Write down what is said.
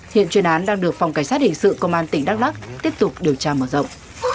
hiện chuyên án đang được phòng cảnh sát hình sự công an tỉnh đắk lắc tiếp tục điều tra mở rộng